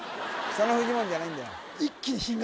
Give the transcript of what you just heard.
そのフジモンじゃないんだよ